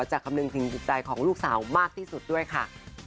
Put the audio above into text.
คำนึงถึงจิตใจของลูกสาวมากที่สุดด้วยค่ะ